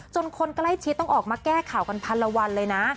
คนใกล้ชิดต้องออกมาแก้ข่าวกันพันละวันเลยนะ